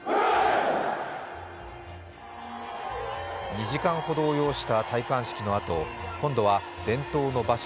２時間ほどを要した戴冠式のあと今度は伝統の馬車